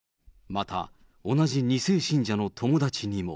また同じ２世信者の友達にも。